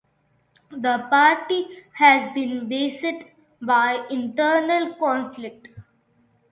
The party has been beset by internal conflict.